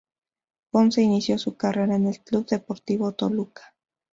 Ponce inició su carrera en el Club Deportivo Toluca.